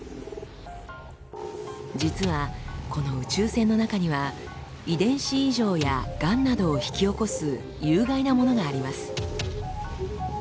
実はこの宇宙線の中には遺伝子異常やがんなどを引き起こす有害なものがあります。